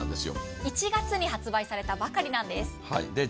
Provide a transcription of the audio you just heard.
１月に発売されたばかりなんです。